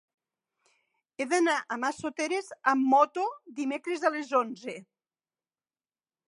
He d'anar a Massoteres amb moto dimecres a les onze.